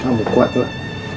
kamu kuat lah